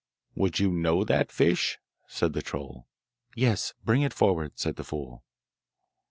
'Would you know that fish?' said the troll. 'Yes, bring it forward,' said the fool.